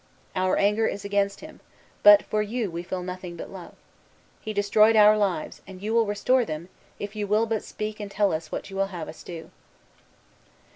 Our anger is against him; but for you we feel nothing but love. He destroyed our lives; and you will restore them, if you will but speak and tell us what you will have us do."